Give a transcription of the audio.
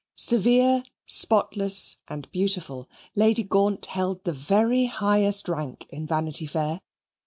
Severe, spotless, and beautiful, Lady Gaunt held the very highest rank in Vanity Fair.